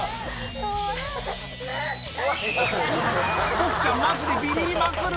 僕ちゃん、まじでビビりまくる。